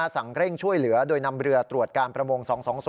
เร่งช่วยเหลือโดยนำเรือตรวจการประมง๒๒๐